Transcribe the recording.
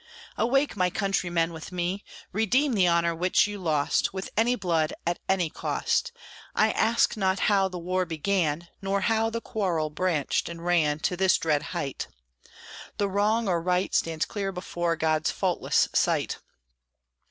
Awake, my countrymen, with me! Redeem the honor which you lost. With any blood, at any cost! I ask not how the war began, Nor how the quarrel branched and ran To this dread height. The wrong or right Stands clear before God's faultless sight.